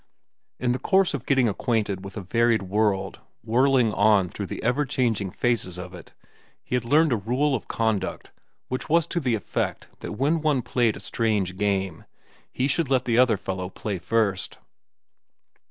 In the course of getting acquainted with a varied world, whirling on through the ever changing phases of it, he had learned a rule of conduct which was to the effect that when one played a strange game, he should let the other fellow play first.